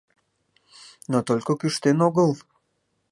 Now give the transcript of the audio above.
Но только кӱштен огыл